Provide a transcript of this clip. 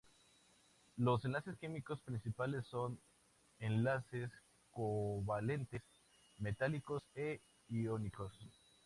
Los enlaces químicos principales son: enlaces covalentes, metálicos e iónicos.